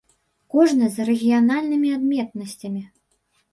Кожны з рэгіянальнымі адметнасцямі.